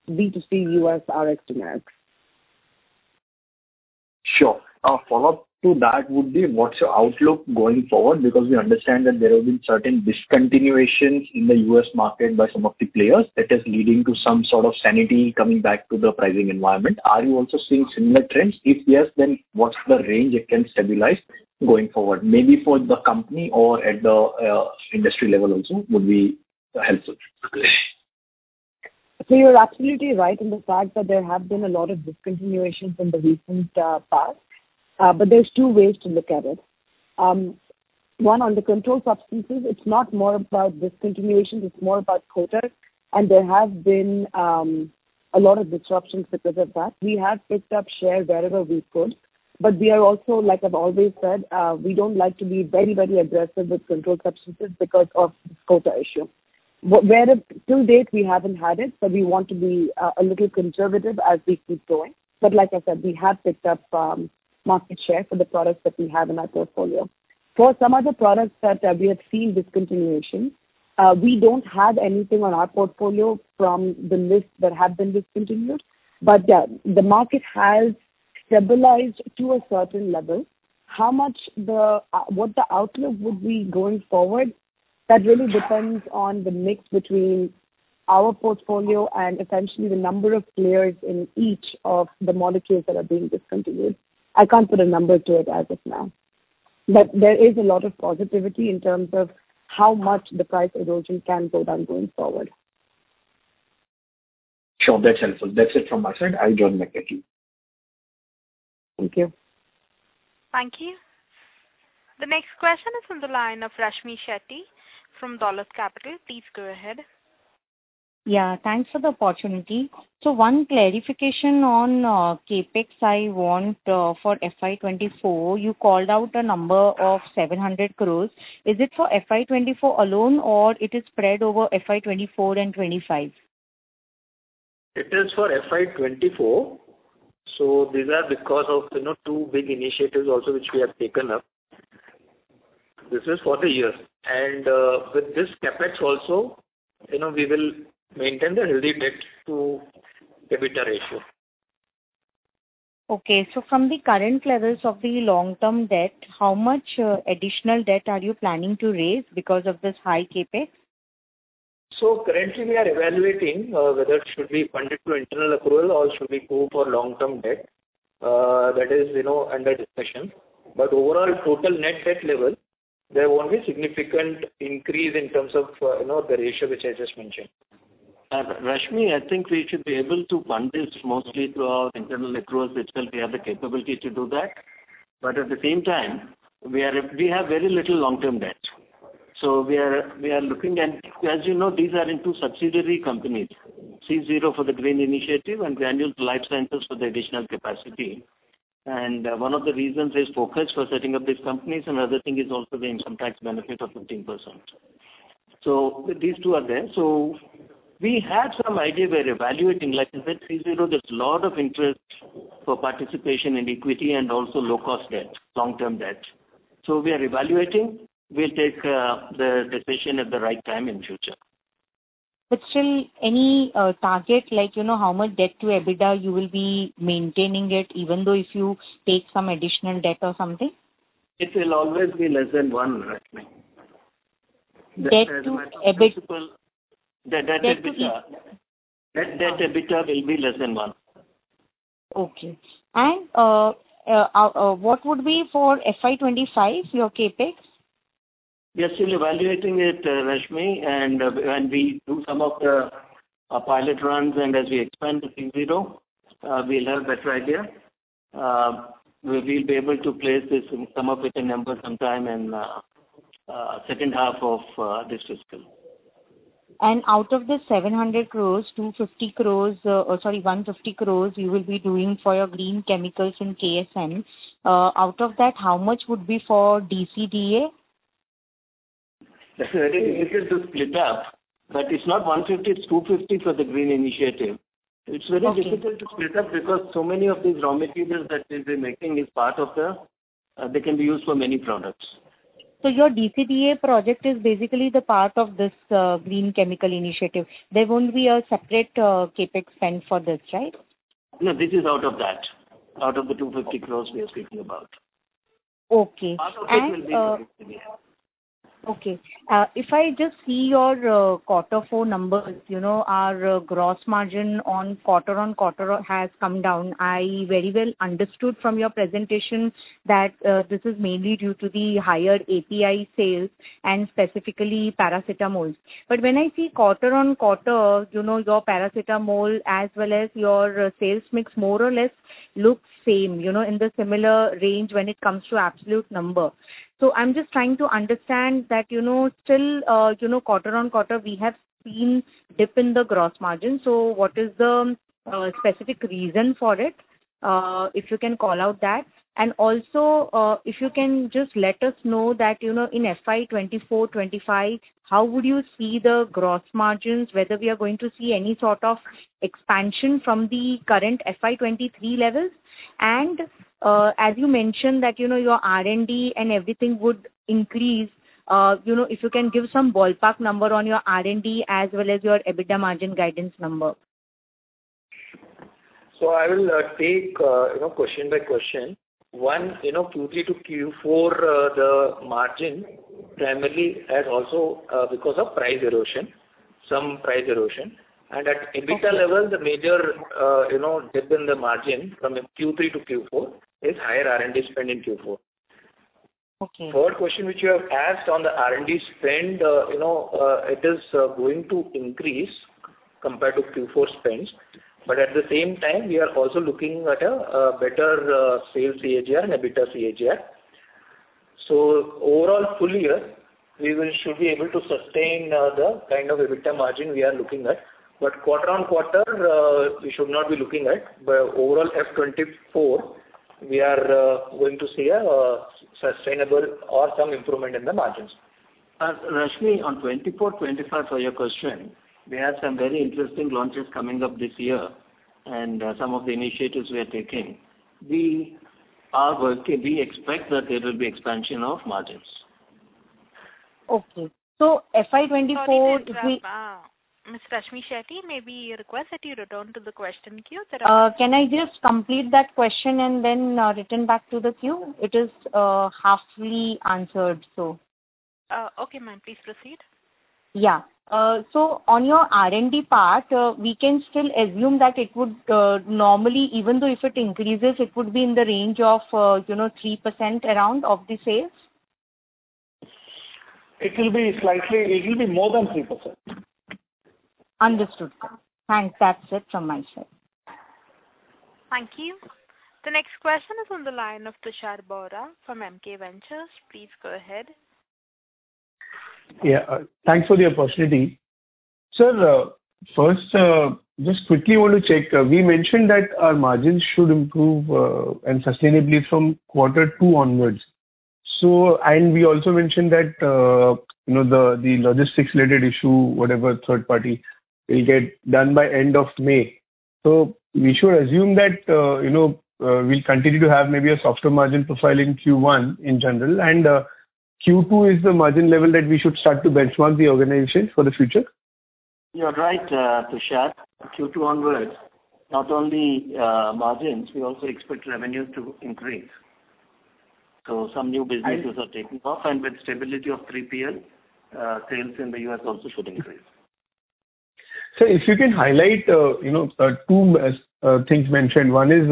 B2C U.S. Rx generics. Sure. A follow-up to that would be what's your outlook going forward? We understand that there have been certain discontinuations in the U.S. market by some of the players that is leading to some sort of sanity coming back to the pricing environment. Are you also seeing similar trends? If yes, then what's the range it can stabilize going forward? Maybe for the company or at the industry level also would be helpful. You're absolutely right in the fact that there have been a lot of discontinuations in the recent past. There's two ways to look at it. One, on the controlled substances, it's not more about discontinuation, it's more about quota. There have been a lot of disruptions because of that. We have picked up share wherever we could, but we are also, like I've always said, we don't like to be very aggressive with controlled substances because of this quota issue. Whereas till date, we haven't had it, so we want to be a little conservative as we keep going. Like I said, we have picked up market share for the products that we have in our portfolio. For some other products that, we have seen discontinuation, we don't have anything on our portfolio from the list that have been discontinued. Yeah, the market has stabilized to a certain level. How much what the outlook would be going forward, that really depends on the mix between our portfolio and essentially the number of players in each of the molecules that are being discontinued. I can't put a number to it as of now. There is a lot of positivity in terms of how much the price erosion can go down going forward. Sure. That's helpful. That's it from my side. I'll join back later. Thank you. Thank you. The next question is on the line of Rashmi Shetty from Dolat Capital. Please go ahead. Yeah, thanks for the opportunity. One clarification on CapEx I want for FY 2024. You called out a number of 700 crores. Is it for FY 2024 alone, or it is spread over FY 2024 and 2025? It is for FY 2024. These are because of, you know, two big initiatives also which we have taken up. This is for the year. With this CapEx also, you know, we will maintain the healthy debt to EBITDA ratio. Okay. From the current levels of the long-term debt, how much additional debt are you planning to raise because of this high CapEx? Currently we are evaluating whether it should be funded through internal accrual or should we go for long-term debt. That is, you know, under discussion. Overall total net debt level, there won't be significant increase in terms of, you know, the ratio which I just mentioned. Rashmi, I think we should be able to fund this mostly through our internal accruals. It's that we have the capability to do that. At the same time, we have very little long-term debt. We are looking and as you know, these are in two subsidiary companies, C-Zero for the green initiative and Granule Life Sciences for the additional capacity. One of the reasons is focus for setting up these companies. Another thing is also the income tax benefit of 15%. These two are there. We had some idea, we are evaluating. Like I said, C-Zero, there's lot of interest for participation in equity and also low cost debt, long-term debt. We are evaluating. We'll take the decision at the right time in future. Still any, target like, you know, how much debt to EBITDA you will be maintaining it even though if you take some additional debt or something? It will always be less than one, Rashmi. Debt to EBIT- The net EBITDA. Debt to EBIT. Net, net EBITDA will be less than 1. Okay. What would be for FY25, your CapEx? We are still evaluating it, Rashmi, and when we do some of the pilot runs and as we expand to 30, we'll have a better idea. We will be able to place this and come up with a number sometime in second half of this fiscal. Out of the 700 crores, 250 crores, or sorry, 150 crores you will be doing for your green chemicals in KSM. Out of that, how much would be for DCDA? It's very difficult to split up, but it's not 150, it's 250 for the green initiative. Okay. It's very difficult to split up because so many of these raw materials that we've been making they can be used for many products. Your DCDA project is basically the part of this green chemical initiative. There won't be a separate CapEx spend for this, right? No, this is out of that. Out of the 250 crores we are speaking about. Okay. Part of it will be for DCDA. Okay. If I just see your Q4 numbers, you know, our gross margin on quarter-on-quarter has come down. I very well understood from your presentation that this is mainly due to the higher API sales and specifically paracetamols. When I see quarter-on-quarter, you know, your paracetamol as well as your sales mix more or less looks same, you know, in the similar range when it comes to absolute number. I'm just trying to understand that, you know, still, you know, quarter-on-quarter, we have seen dip in the gross margin. What is the specific reason for it? If you can call out that. Also, if you can just let us know that, you know, in FY 2024, 2025, how would you see the gross margins, whether we are going to see any sort of expansion from the current FY 2023 levels? As you mentioned that, you know, your R&D and everything would increase, you know, if you can give some ballpark number on your R&D as well as your EBITDA margin guidance number. I will take, you know, question by question. One, you know, Q3 to Q4, the margin primarily has also because of price erosion, some price erosion. Okay. At EBITDA level, the major, you know, dip in the margin from Q3 to Q4 is higher R&D spend in Q4. Okay. Third question which you have asked on the R&D spend, you know, it is going to increase compared to Q4 spends, at the same time, we are also looking at a better sales CAGR and EBITDA CAGR. Overall full year, we should be able to sustain the kind of EBITDA margin we are looking at. Quarter on quarter, we should not be looking at. Overall FY24, we are going to see a sustainable or some improvement in the margins. Rashmi, on 24, 25 for your question, we have some very interesting launches coming up this year and some of the initiatives we are taking. We are working, we expect that there will be expansion of margins. Okay. FY 2024 if we-. Sorry, this is Ms. Rashmi Shetty. May we request that you return to the question queue? Can I just complete that question and then return back to the queue? It is halfly answered, so. Okay, ma'am. Please proceed. Yeah. On your R&D part, we can still assume that it would, normally, even though if it increases, it would be in the range of, you know, 3% around of the sales? It will be more than 3%. Understood. Thanks. That's it from my side. Thank you. The next question is on the line of Tushar Bohra from Emkay Global. Please go ahead. Thanks for the opportunity. Sir, first, just quickly want to check. We mentioned that our margins should improve and sustainably from quarter two onwards. We also mentioned that, you know, the logistics related issue, whatever third party will get done by end of May. We should assume that, you know, we'll continue to have maybe a softer margin profile in Q1 in general, and Q2 is the margin level that we should start to benchmark the organization for the future? You're right, Tushar. Q2 onwards, not only margins, we also expect revenue to increase. Some new businesses are taking off, and with stability of 3PL, sales in the U.S. also should increase. Sir, if you can highlight, you know, two things mentioned. One is,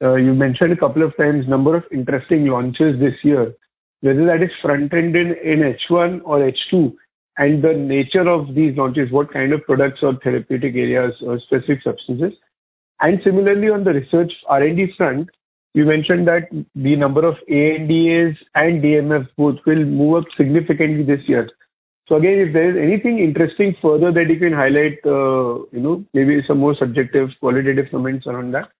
you mentioned a couple of times number of interesting launches this year, whether that is front-ended in H1 or H2, and the nature of these launches, what kind of products or therapeutic areas or specific substances. Similarly, on the research R&D front, you mentioned that the number of ANDAs and DMFs both will move up significantly this year. Again, if there is anything interesting further that you can highlight, you know, maybe some more subjective qualitative comments around that.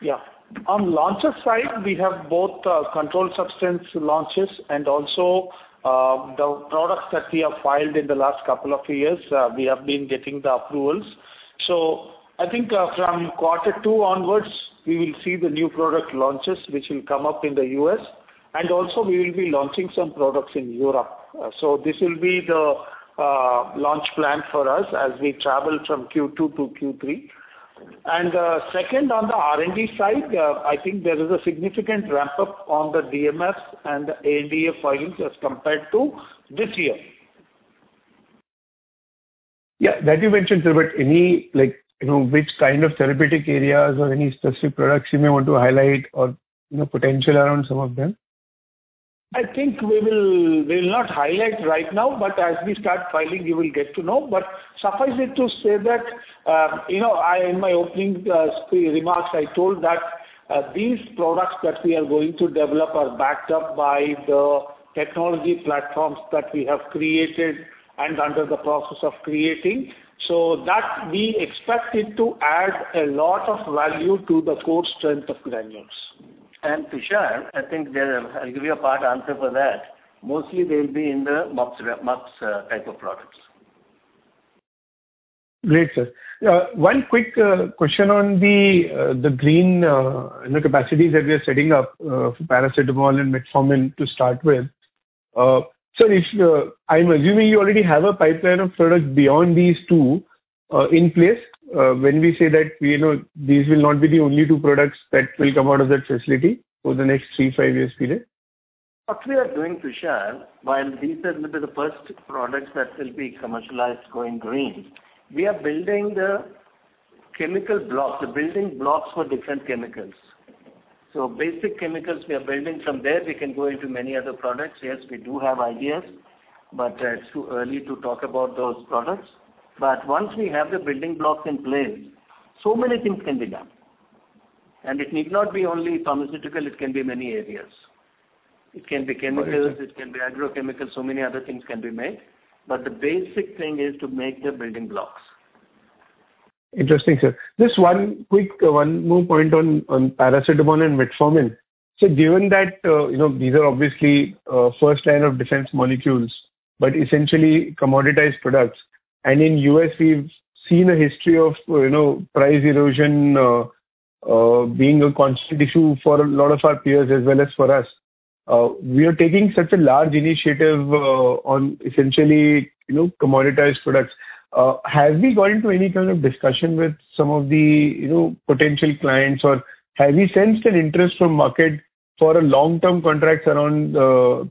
Yeah. On launches side, we have both control substance launches and also the products that we have filed in the last couple of years, we have been getting the approvals. I think from quarter two onwards, we will see the new product launches, which will come up in the U.S., and also we will be launching some products in Europe. This will be the launch plan for us as we travel from Q2 to Q3. Second, on the R&D side, I think there is a significant ramp-up on the DMFs and the ANDA filings as compared to this year. Yeah, that you mentioned, sir, but any, like, you know, which kind of therapeutic areas or any specific products you may want to highlight or, you know, potential around some of them? I think we will not highlight right now, but as we start filing you will get to know. Suffice it to say that, you know, I in my opening remarks, I told that, these products that we are going to develop are backed up by the technology platforms that we have created and under the process of creating. That we expect it to add a lot of value to the core strength of Granules. Tushar, I think there I'll give you a part answer for that. Mostly they'll be in the MUPS type of products. Great, sir. One quick question on the green, you know, capacities that we are setting up for paracetamol and metformin to start with. If I'm assuming you already have a pipeline of products beyond these two in place when we say that, you know, these will not be the only two products that will come out of that facility over the next three, five years period? What we are doing, Tushar, while these are maybe the first products that will be commercialized going green, we are building the chemical blocks, the building blocks for different chemicals. Basic chemicals we are building. From there we can go into many other products. Yes, we do have ideas, but it's too early to talk about those products. Once we have the building blocks in place, so many things can be done. It need not be only pharmaceutical, it can be many areas. It can be chemicals. Got it, sir. It can be agrochemicals, so many other things can be made. The basic thing is to make the building blocks. Interesting, sir. Just one quick, one more point on paracetamol and metformin. Given that, you know, these are obviously, first line of defense molecules, but essentially commoditized products, and in U.S. we've seen a history of, you know, price erosion, being a constant issue for a lot of our peers as well as for us. We are taking such a large initiative on essentially, you know, commoditized products. Have we got into any kind of discussion with some of the, you know, potential clients? Or have we sensed an interest from market for a long-term contracts around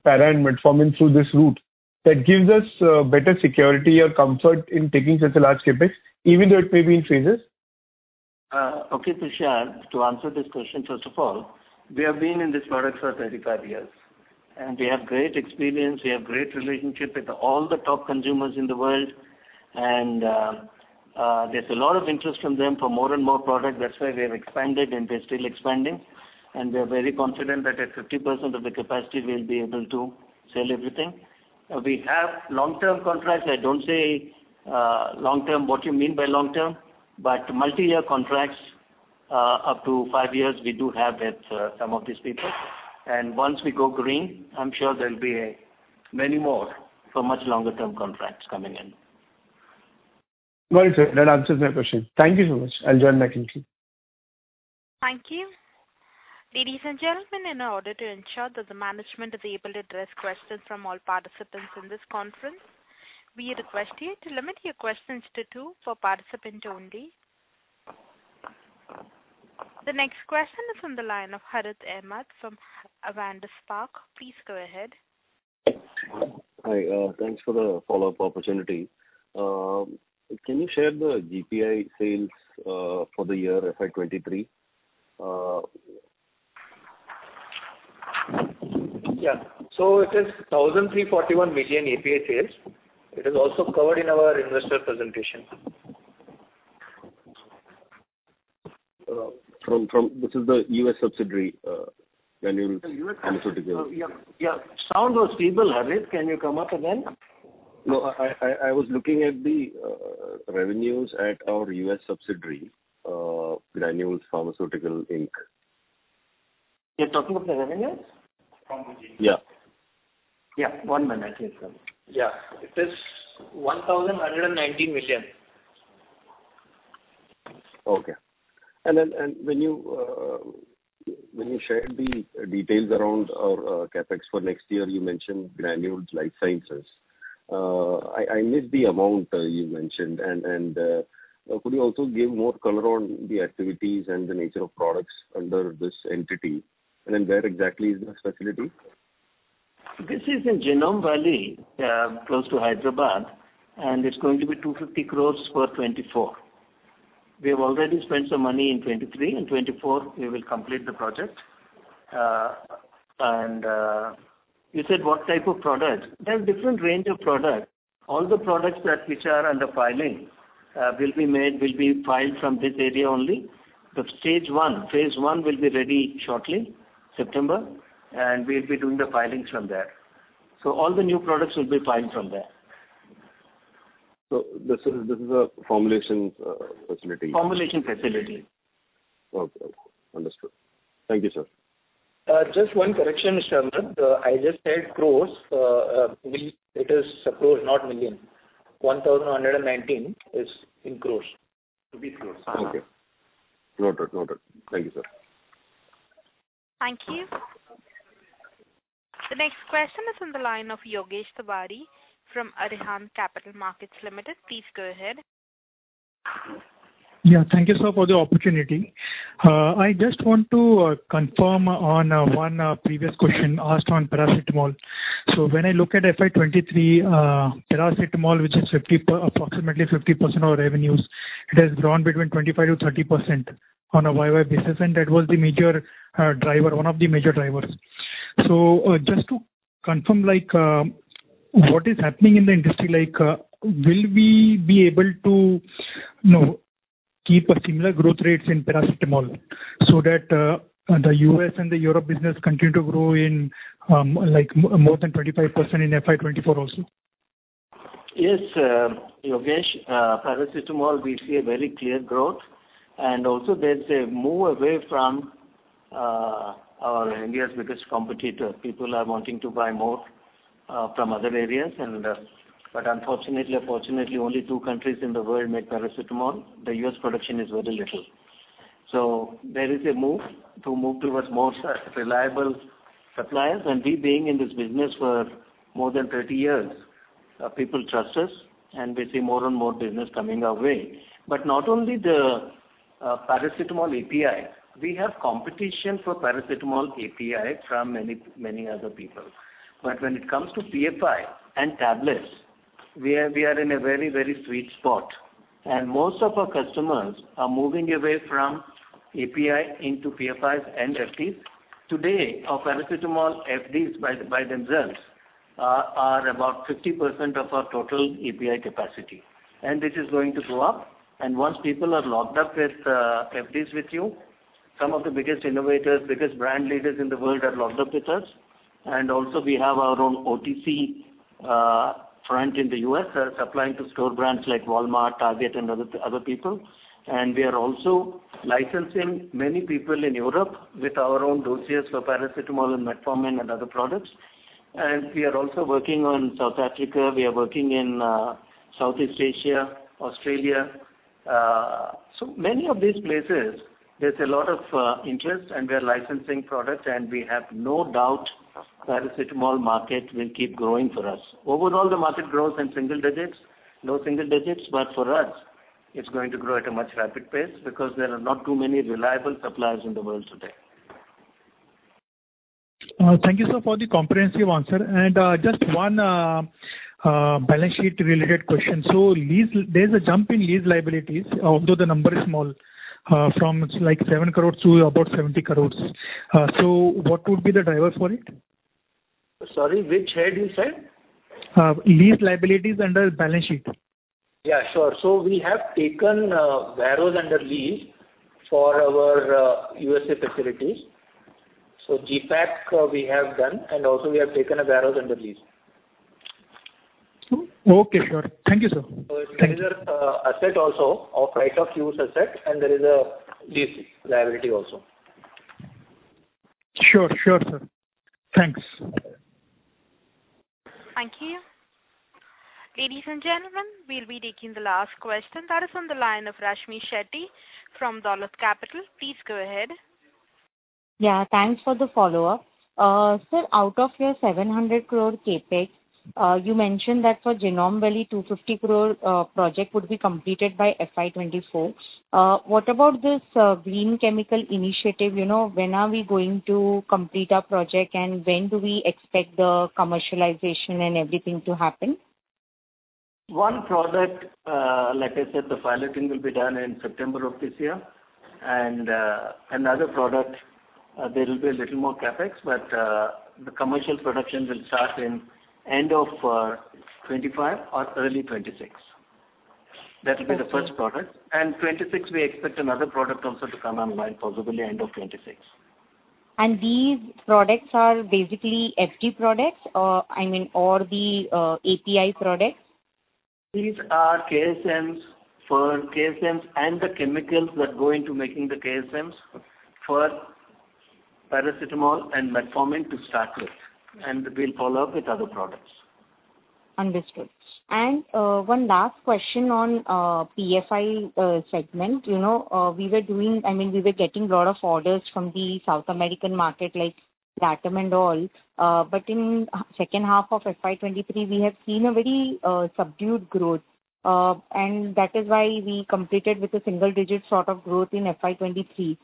Para and metformin through this route that gives us better security or comfort in taking such a large CapEx, even though it may be in phases? Okay, Tushar, to answer this question, first of all, we have been in this product for 35 years, and we have great experience, we have great relationship with all the top consumers in the world. There's a lot of interest from them for more and more product. That's why we have expanded and we're still expanding. We are very confident that at 50% of the capacity we'll be able to sell everything. We have long-term contracts. I don't say, long-term what you mean by long-term, but multi-year contracts, up to 5 years, we do have with, some of these people. Once we go green, I'm sure there'll be many more for much longer term contracts coming in. Got it, sir. That answers my question. Thank you so much. I'll join back in queue. Thank you. Ladies and gentlemen, in order to ensure that the management is able to address questions from all participants in this conference, we request you to limit your questions to two per participant only. The next question is from the line of Harith Ahamed from Avendus Spark. Please go ahead. Hi, thanks for the follow-up opportunity. Can you share the GPI sales for the year FY 23? Yeah. It is 1,341 million API sales. It is also covered in our investor presentation. From this is the U.S. subsidiary, Granules Pharmaceuticals. The U.S. yeah. Sound was feeble, Harith. Can you come up again? No, I was looking at the revenues at our U.S. subsidiary, Granules Pharmaceuticals, Inc.. You're talking about the revenues? From GPI. Yeah. Yeah. One minute, please, sir. Yeah, it is 1,119 million. Okay. When you shared the details around our CapEx for next year, you mentioned Granules Life Sciences. I missed the amount you mentioned. Could you also give more color on the activities and the nature of products under this entity? Where exactly is this facility? This is in Genome Valley, close to Hyderabad, and it's going to be 250 crores for 2024. We have already spent some money in 2023. In 2024 we will complete the project. You said what type of product? There are different range of products. All the products that which are under filing, will be made, will be filed from this area only. The Stage 1, phase 1 will be ready shortly, September, and we'll be doing the filings from there. All the new products will be filed from there. This is a formulations facility? Formulation facility. Okay. Okay. Understood. Thank you, sir. Just one correction, Mr. Ahmed. I just said crores. It is crores, not million. 1,119 crores. It will be crores. Okay. Noted. Noted. Thank you, sir. Thank you. The next question is on the line of Yogesh Tiwari from Arihant Capital Markets Limited. Please go ahead. Yeah. Thank you, sir, for the opportunity. I just want to confirm on one previous question asked on paracetamol. When I look at FY 2023, paracetamol, which is approximately 50% of revenues, it has grown between 25%-30% on a year-over-year basis, and that was the major driver, one of the major drivers. Just to confirm, like, what is happening in the industry, like, will we be able to, you know, keep a similar growth rates in paracetamol so that the U.S. and the Europe business continue to grow in like more than 25% in FY 2024 also? Yes, Yogesh. paracetamol we see a very clear growth and also there's a move away from our India's biggest competitor. People are wanting to buy more from other areas. Unfortunately or fortunately, only 2 countries in the world make paracetamol. The U.S. production is very little. There is a move to move towards more reliable suppliers. We being in this business for more than 30 years, people trust us and we see more and more business coming our way. Not only the paracetamol API, we have competition for paracetamol API from many other people. When it comes to PFI and tablets, we are in a very sweet spot, and most of our customers are moving away from API into PFIs and FDs. Today, our paracetamol FDs by themselves are about 50% of our total API capacity. This is going to go up. Once people are locked up with FDs with you, some of the biggest innovators, biggest brand leaders in the world are locked up with us. Also we have our own OTC front in the U.S. We are supplying to store brands like Walmart, Target and other people. We are also licensing many people in Europe with our own doses for paracetamol and metformin and other products. We are also working on South Africa. We are working in Southeast Asia, Australia. Many of these places there's a lot of interest and we are licensing products and we have no doubt paracetamol market will keep growing for us. Overall, the market grows in single digits, low single digits, but for us it's going to grow at a much rapid pace because there are not too many reliable suppliers in the world today. Thank you, sir, for the comprehensive answer. Just one, balance sheet related question. There's a jump in lease liabilities, although the number is small, from like 7 crores to about 70 crores. What would be the driver for it? Sorry, which head you said? lease liabilities under balance sheet. Yeah, sure. We have taken a warehouse under lease for our USA facilities. GPAC, we have done and also we have taken a warehouse under lease. Okay. Sure. Thank you, sir. There is a asset also of right of use asset and there is a lease liability also. Sure, sure, sir. Thanks. Thank you. Ladies and gentlemen, we'll be taking the last question that is on the line of Rashmi Shetty from Dolat Capital. Please go ahead. Yeah, thanks for the follow-up. Sir, out of your 700 crore CapEx, you mentioned that for Genome Valley 250 crore project would be completed by FY 2024. What about this, green chemical initiative? You know, when are we going to complete our project, and when do we expect the commercialization and everything to happen? One product, like I said, the piloting will be done in September of this year. Another product, there will be a little more CapEx, but the commercial production will start in end of 25 or early 26. That will be the first product. 26 we expect another product also to come online, possibly end of 26. These products are basically FG products or, I mean, or the API products? These are KSMs for KSMs and the chemicals that go into making the KSMs for paracetamol and metformin to start with. We'll follow up with other products. Understood. One last question on PFI segment. You know, I mean, we were getting lot of orders from the South American market like LATAM and all. But in second half of FY 2023, we have seen a very subdued growth. That is why we completed with a single digit sort of growth in FY 2023.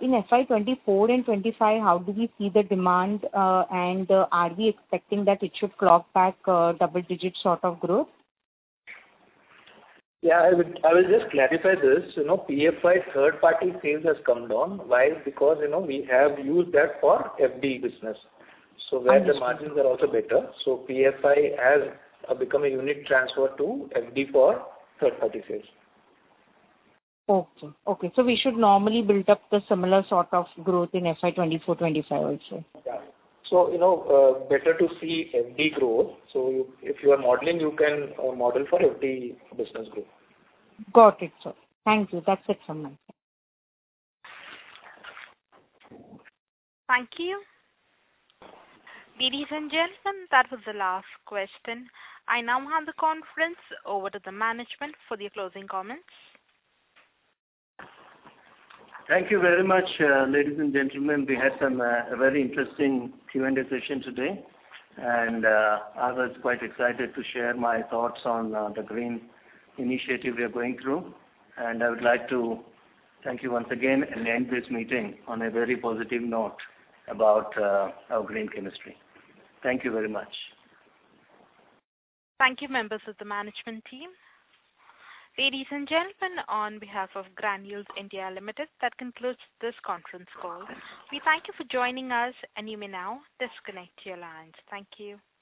In FY 2024 and 2025, how do we see the demand? Are we expecting that it should clock back double digit sort of growth? Yeah, I will just clarify this. You know, PFI third party sales has come down. Why? Because, you know, we have used that for FD business. Understood. Where the margins are also better. PFI has become a unit transfer to FD for third party sales. Okay. Okay. We should normally build up the similar sort of growth in FY 24, 25 also. Yeah. You know, better to see FD growth. You, if you are modeling, you can model for FD business growth. Got it, sir. Thank you. That's it from my side. Thank you. Ladies and gentlemen, that was the last question. I now hand the conference over to the management for their closing comments. Thank you very much, ladies and gentlemen. We had some very interesting Q&A session today, and I was quite excited to share my thoughts on the green initiative we are going through. I would like to thank you once again and end this meeting on a very positive note about our green chemistry. Thank you very much. Thank you, members of the management team. Ladies and gentlemen, on behalf of Granules India Limited, that concludes this conference call. We thank you for joining us and you may now disconnect your lines. Thank you.